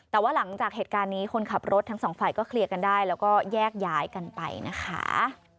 แต่ว่าหลังจากเหตุการณ์นี้คนขับรถทั้งสองฝ่ายก็เคลียร์กันได้แล้วก็แยกย้ายกันไปนะคะ